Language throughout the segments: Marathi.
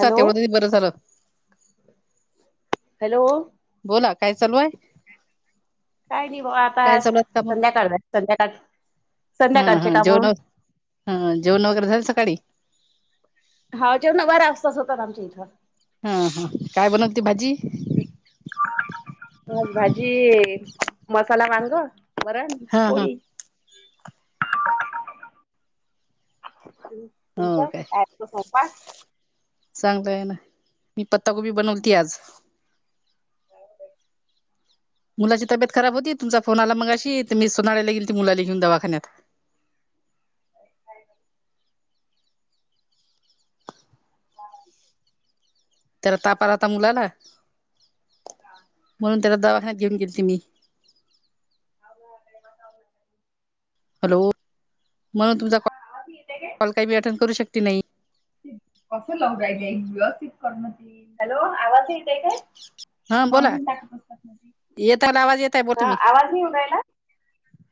हॅलो मध्येच बरं झालं. हॅलो. बोला काय चालू हाय? काय नाही बा आता चालू आहेत काम संध्याकाळला संध्याकाळच हा संध्याकाळचे हा काम जेवण हा जेवणं वगैरे झाली सकाळी? हा जेवणं बरा असताच होतात आमच्या इथं. हा हा. काय बनवती भाजी? आज भाजी मसाला वांग, वरण हा हा तोडी हो काय? चांगलं आहे ना. मी पत्तागोबी बनवलती आज. मुलाची तब्ययेत खराब होती तुमचा फोन आला मगाशी तर मी सोनाळला ली मुला घेऊन दवाखान्यात. त्याला ताप आला होता मुलाला म्हणून त्याला दवाखान्यात घेऊन गेलीती मी. [inaudible] हॅलो मग तुमचा [inaudible] येते काय कॉल काही बी अटेंड करू शकते नाही. हॅलो आवाज येतेय काय? हा बोला येत आहे आवाज येत आहे बोल हा तुम्ही आवाज नाही येऊ रायला.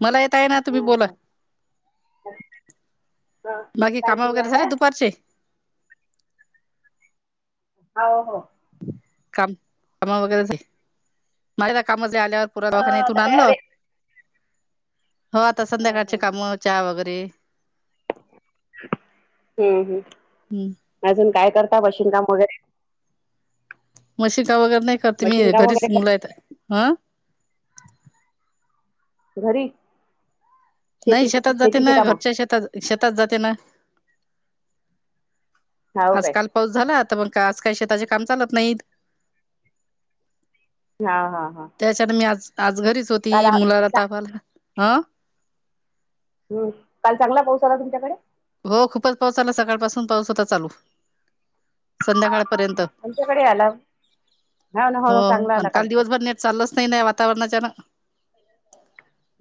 मला येत आहे ना तुम्ही बोला. हम बाकी काय कामं सुरू आहे वगैरे झाले आता दुपारचे. हाव हो. काम कामा वगैरेच आहे माझी तर कामजल्या आल्यावर पोरगा अ आता दवाखान्यातून काय रे आणलं. हो आता संध्याकाळचे हम्म कामं चहा वगैरे. हम्म हम्म हम्म अजून काय करता बशीन काम वगैरे. मशी का वगैरे नाही करते मी मशीन काम वगैरे घरीच मुला आहेत हा. घरी नाही शेतीचे शेतात जाते शेतीचे ना कामं घरच्या शेतात शेतात जाते ना. हाव आज काय काल पाऊस झाला तर मग का आज काही शेताचे काम चालत नाहीत. हा हा हा. त्याच्यात मी आज आज घरीच होती काल आ मुलाला चा तापाला आला हा. हम्म काल चांगला पाऊस आला तुमच्याकडे. हो खूपच पाऊस आला सकाळ पासून पाऊस होता चालू संध्याकाळपर्यंत. त्यांच्याकडे आला हाव ना हाव चांगला आला कालचं. चालच नाही वातावरणाच्या ना.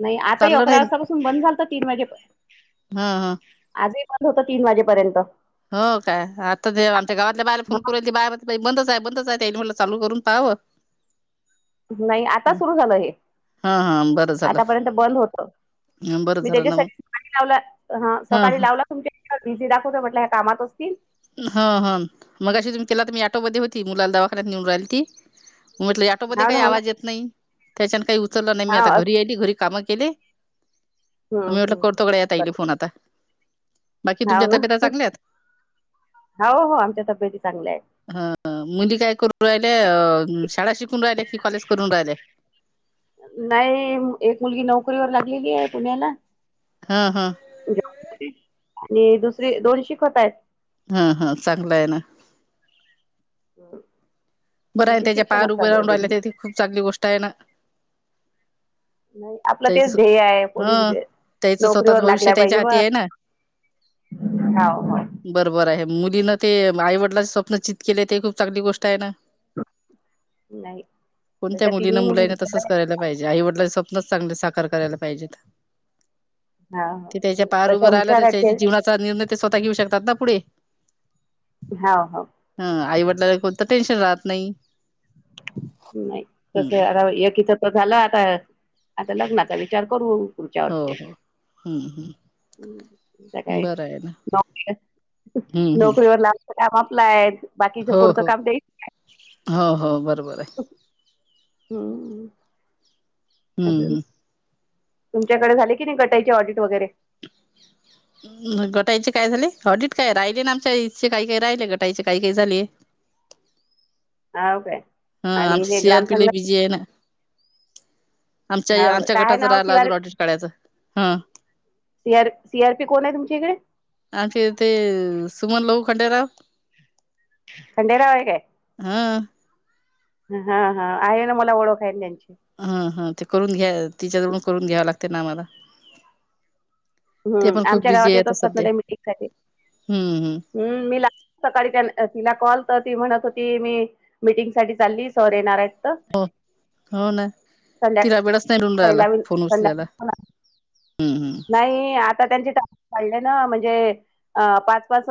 नाही आता ही चाललं अकरा नाही वाजतापासून बंद झाल तर तीन वाजेपर ह ह आजही होतं तीन वाजेपर्यंत. हो काय आता ते आमच्या गावातल्या बायला फोन हं करू राहील ती बाया ते बाई बंदच बंदच आहे त्याले म्हणलं चालू करून पहावं. नाही आता सुरू झालं हे हा हा बरं झालं आतापर्यंत बंद होतं. हं, बरं मी झालं ना मग त्याच्यासाठी सकाळी लावला हा सकाळी लावला तुमच्या [inaudible] बिझी दाखवते म्हटल्या कामात असतील. हा हा मगाशी तुम्ही केला होता ऑटोमध्ये होती मुलाला दवाखान्यात नेऊन राहिल ती. म्हटलं ऑटो मध्ये हाव ना काही हो ना आवाज येत नाही. त्याच्याने काही उचललं नाही मी हा आता अस घरी आली घरी कामं केले. मी हं म्हटलं हं हं करतोकडे या ताईले बरं फोन आता. बाकी हाव तुमच्या ना तब्येता चांगल्यात हाव हो आमच्या तब्येती चांगल्या आहे. हा मुली काय करून राहिले अ उम शाळा शिकून राहिले कि कॉलेज करून राहिले? नाही एक मुलगी नोकरीवर लागलेली आहे पुण्याला. हा हा. आणि दुसरी दोन शिकत आहेत. हा हा चांगला आहे ना. [unintelligible] बरं आहे त्यांचे त्याज्या पायावर शिक्षणच उभे चालू आहे राहून राहिला ते तर दोघींचे खूप चांगली गोष्ट आहे ना. नाही आपलं तेच त्याच ध्येय आहे ह पोरीे विरी त्याचं स्वतःच नोकरीवर भविष्य लागल्या पाहिजे त्याच्या हाती ब. आहे ना. हाव हाव. बरोबर आहे मुलीना ते आई वडलाच स्वप्न चित केले ते खूप चांगली गोष्ट आहे ना. नाही कोणत्या तशा मुलीं तिन्ही मुली मुलांने हुशार तसंच आहेत. करायला पाहिजे आईवडलाचे स्वप्नच चांगले साकार करायला पाहिजेत. हा हो ते त्याच्या नाही, पायावर उभ तशा रायला हुशार तर आहेत ते त्याच्या जीवनाचा निर्णय ते स्वतः घेऊ शकतात ना पुढे. हाव हाव हा आई वडल्याला कोणता टेन्शन राहत नाही. नाही हम्म तसं एकीचं त झालं आता, आता लग्नाचा इचार करू. पुढच्या हो वर्षी हो. हम्म हम्म आता काय बरं आहे ना नवक्याल हम्म हम्म नोकरीवर लानचं काम आपलं आहे, बाकीच हो पुढचं हो काम तेइच नई. हो हो बरोबर आहे. हम्म हम्म अजून हम्म तुमच्याकडे झाले की नाही गटायचे ऑडिट वगैरे? गटायचे काय झाले हॉडीट काय राहिले ना आमच्या इथचे काही काही राहिले गटायचे काही काही झाले. हाऊ काय ह आणि आमचे एक सी आर ग्राम पी लय संघ बिझी आहे ना. आमच्या हाव आमच्या काय आहे गटाचं नाव राहिला सीआर अजून ऑडिट काढायचं हं. सी आर सीआरपी कोण आहे तुमच्या इकडे? आमच्या इथे सुमन लहू खंडेराव. खंडेराव हाय काय? हा. हा हा आहे ना मला ओळखायल त्यांची. हं हम ते करून घ्या तिच्याजवडून करून घ्यावं लागते ना आम्हाला. ते हम्म पण खूप आमच्या बिझी गावात आहे येत आता असतात ना सध्या त्या मीटिंग साठी. हम्म मी लाग सकाळी तिला कॉल तर ती म्हणत होती मी. मीटिंग साठी चालली सर येणारेत. हो हो ना तिला संध्याकाळी वेडच नाही मिळून राहिला लावीन फोन उचलायला. संध्याकाळी फोन आ हम्म हम्म. नाही आता त्यांचे टा वाढले ना म्हणजे. अ पाच पाच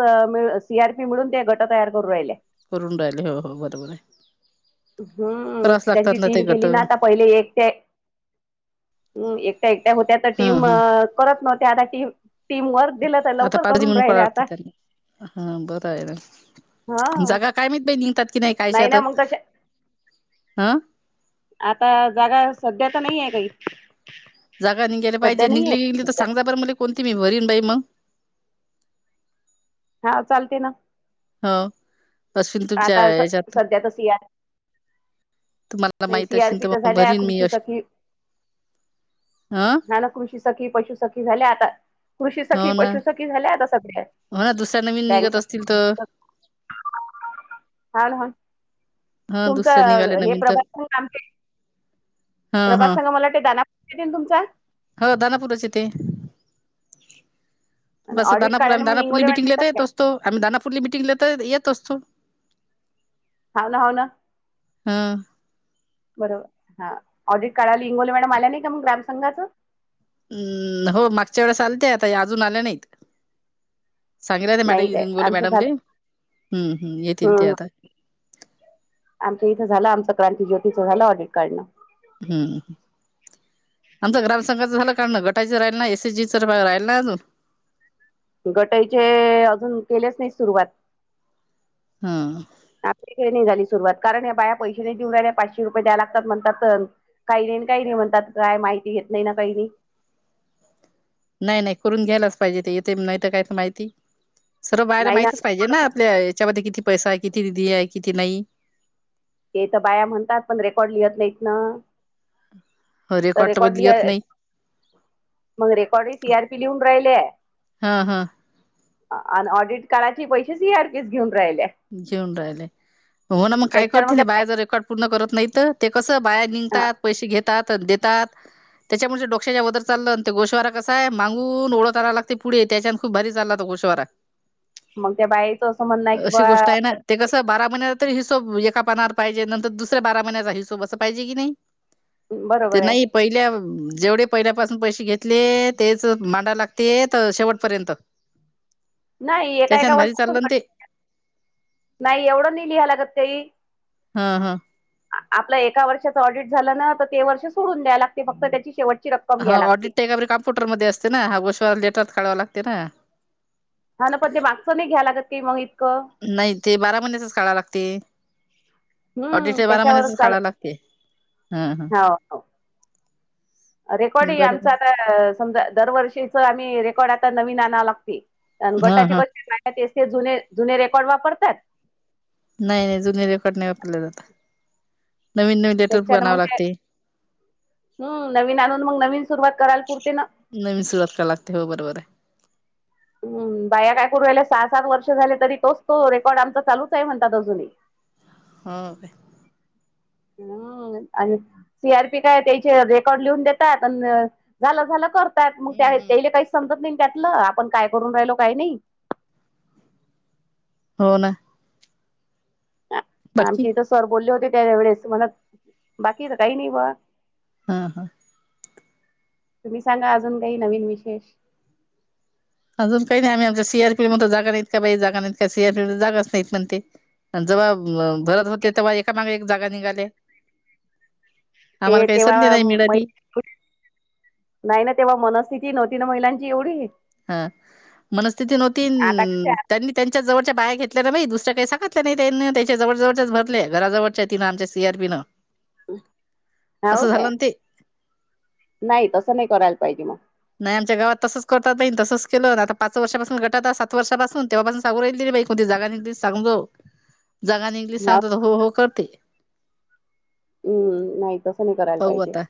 सी आरपी मिळून ते गट तयार करू राहिले. करून राहिले हो हो बरोबर आहे हम्म करावच लागतात त्यांची ना ते टीम गट केली ना त्या पहिले एक ते. हम एकट्या एकट्या होत्या तर हा टीम हा करत नव्हत्या आता टीम वर दिलं तर आता लवकर पारधी करून म्हणून राहिले करावं लागते आता. त्यांना हा बरं, जागा आहे हा ना जागा काय मित बाई निघतात की नाही कायश आता? ना मग तशा हा. आता जागा सध्या तर नाही आहे काही. जागा निघायला पाहिजे सध्या नाही निघली निली तर आहे सांग बरं मले कोणती मी भरीन बाई मग. हा चालते ना. ह ओ आता स सध्या त स सी या. तुम्हाला नाही माहित सी असेल आरपी तर मग झाल्या या भरीन मी कृषी अ सखी. ह ना ना कृषी सखी पशु सखी झाल्या आता. कृषी सखी हो ना पशुसखी झाल्या आता सध्या, हो ना दुसऱ्या नवीन निघत बँकचा. असतील तर हाान ह ह दुसऱ्या तुमचं निघाल्या हे नवीन तर प्रभातम काम के ह प्रभास सगा मला ते दानातील ना तुमचा? कळतं ना पूरस्थिती आहे. आणि बस ऑडिट दानापूर काढायला आम्ही मग दानापूर ला इंगोले मॅडम मीटिंग येतात घेता येत असतो, दानापूरले मीटिंगले येत असतो. हा ना हो ना हा बर हा ऑडिट काढायला इंगोले मॅडम आल्या नाही का मग ग्रामसंघातून? हम्म हो मागच्या वेळेस आलत्या या अजून आल्या नाहीत. सागर याला नाही काय हिंगोली आमचं झालं मॅडमले हम्म येतील ते हम्म. आता. आमच्या इथे झालं आमचं क्रांतीज्योतीचं झालं ऑडिट काढणं. हम्म. आमचं ग्राम संघात झालं काढणं गटाचं राहिलं नाही, एसी जिच राहिलं नाही अजून. गटाईचे अजून केलेच नाही सुरुवात. हा. आपलीडे नाही झाली सुरुवात कारण हे बाया पैसेा नाही देऊ रा पाचशे रुपये द्या म्हणतात लागाती चल काही नाही काही नाही म्हणतात काय माहिती घेत नाही ना काही नाही? नाही नाही करून घ्यायलाच पाहिजे ते इथे नाही तर काय का माहिती? सर्व बाया ला नाही ना माहितच पाहिजे ना आपल्या याच्यामध्ये किती पैसा आहे किती निधी आहे किती नाही. ते तर बाया म्हणतात पण रेकॉर्ड लिहत नाहीत ना. हो तर रेकॉर्ड बदली येत लिहाय. नाही मग रेकॉर्डे सी आर पी लिहून राहिलेय. हा. हा. आणि ऑडिट काढाचे पैसे सी आर पीस घेऊन राहिले. घेऊन राहिले हो ना मग काय त्याच्यावर करते त्या ना? बाई बायाचा रेकॉर्ड पूर्ण करत नाही तर. ते कसं बाया हा निघतात पैसे घेतात देतात. त्याच्यामुळे डोकश्याच्या वदर चाललं ना ते गोशवारा कसा आहे, मागून ओळ करायला लागते पुढे त्याच्या खूप भारी चालला होता कुशावर मग त्या बाईचं असं म्हणणं आहे कि बा अशी गोष्ट आहे ते कसं बारा महिनचा तरी हिशोब एका पानावर पाहिजे, नंतर दुसऱ्या बारा महिन्याचा हिशोब अस पाहिजे की नाही? ते बरोबर आहे. नाही. पहिल्या जेवढे पहिल्यापासून पैसे घेतले तेच मांडा लागते शेवटपर्यंत नाही एका एका त्याच्यान भारी वर्षात चाललं ना ते नाही एवढं नी लिहाय लागत काही. हा. हा. आपलं एका वर्षाचं ऑडिट झालं ना तर ते वर्ष सोडून द्याय लागते फक्त त्याची शेवटची रक्कम हा घ्या लागते. ऑडिट [unintelligible] कॉम्पुटरमध्ये असते ना, हा [unintelligible] काढावं लागते ना. हा ना पण ते मागचं नाही घ्या लागत काही मग इतकं. नाही ते बारा महिन्याचच काढावं लागते. ऑडिट हम्म च बारा त्याच्यावरच महिन्याच चाल खळावला लागते हम हम हो. हो. रेकॉर्ड ह आमच आहे. आता समजा दरवर्षीच आम्ही रेकॉर्ड आता नवीन आणा लागते. अन हा गटाचे हा [unintelligible] सारखा तेच ते जुने जुने रेकॉर्ड वापरतात. नाही नाही जुने रेकॉर्ड नाही वापलत आता. त्याच्यान मग लागते हम्म नवीन आणून मग नवीन सुरुवात कराल पुरते ना. नहमी सुरू कराय लागते हो बरोबर आहे. हम् बाया काय करु रायेला सहा, सात वर्ष झाले तरी तोच तो रेकॉर्ड आमचा चालूच आहे म्हणतात अजूनही. हो का. हम्म आणि सी आर पी काय त्याचे रेकॉर्ड लिहून देतात आणि झालं झालं कर त्या मग हम्म हम्म त्याला काहीच समजत नाही त्यातलं आपण काय करून राहिलो काही नाही. हो ना. बाकी आमचे इथं सर बोलले होते त्या वेळेस म्हण बाकी काही नाही ब हा. हा. तुम्ही सांगा अजून काही नवीन विशेष. अजून काही नाही आम्ही आमच्या सी आर पी मध्ये जागा नाहीत का बाई? जागा नाहीत का सी आर पी जागच नाहीत म्हण ते. अन् जेव्हा भरत होते तेव्हा एकामागे एक जागा निघाले. ते आम्हाला काही संधी तेव्हा नाही म मिळाली नाही ना, तेव्हा मनस्थिती नव्हती ना महिलांची एवढी. हा मनस्थिती नव्हती आता कशी त्यांनी. त्यांच्यात जवळच्या बाया घेतल्या. नाहीई दुसऱ्याही सांगल्या नाही. त्यांना त्याच्या जवळजवळच्याच भरल्या घराजवळच्या तिनं आमच्या सी आरीं पी न हावू काय? ना ते नाही तसं नाही करायला पाहिजे मग. नाही आमच्या गावात तसच करत नाही. तसंच केलं आता पाच वर्षापासून गटात सात वर्षपासून तेव्हापासून सांगू राहिले बाई. कोणती जागा नाही ते सांग जो, जागा नायीले हा सांगतो तर हो हो करते. हम्म. नाही तसं नाही करायला पाहू पाहिजे. आता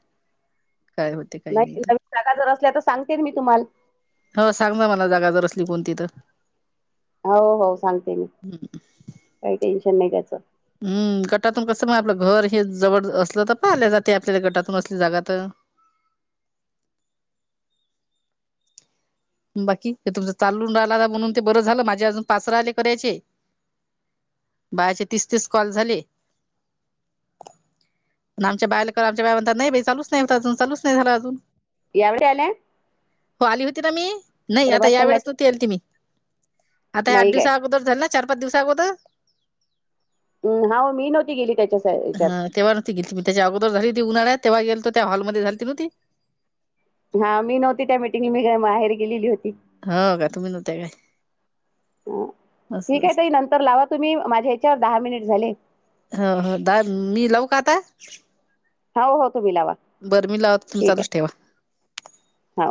काय होते काही नाही [unintelligible] जागा जर असल्या तर सांगतेन मी तुम्हाल हो सांग ना मला जागा जर असली कोणती तर. हो हो सांगते मी. काही टेन्शन नाही घ्यायचं. हम्म. गटातून कसं मग आपलं घर हे जवळ असलं तर, पाहिलं जातं आपल्याला गटातून असली जागा तर. बाकी तुमचं चालून राहिला म्हणून ते बरं झालं. माझे अजून पाच राहिले करायचे. बायाचे तिस तिस कॉल झाले. पण आमच्या बायाला क आमच्या बाय म्हणतात नाही बाई चालूच नाही अजून चालूच नाही झालंय अजून. एवढे आले. हो आली होती ना मी. नाही आता प्रभास यावेळेस तु संघाच्या आलती मी. आता आठ नाही काय दिवसा अगोदर झालं ना चार पाच दिवस अगोदर? हम्म, हाव मी नव्हती गेली त्याच्या याच्यात. ती गेलती मी त्याच्या अगोदर झालती उन्हाळ्यात तेव्हा गेलतो. त्या हॉलमध्ये झाली होती ना ती? हा मी नव्हती त्या मिटिंगले मी माहेरी गेलेली होती. हो का तुम्ही नव्हत्या काय हं. ठीक असं? आहे ताई नंतर लावत तुम्ही माझ्या ह्याच्यावर दहा मिनिट झाले. हो हो. दाद मी लावू का आता? हा हो तुम्ही लावा. बर मी लावते, तुम्ही ठीक आहे चालुच ठेवा. हा.